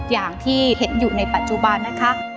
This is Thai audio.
อย่างที่เห็นอยู่ในปัจจุบันนะคะ